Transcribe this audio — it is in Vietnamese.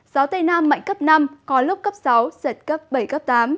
gió tây nam mạnh cấp năm có lúc cấp sáu giật cấp bảy cấp tám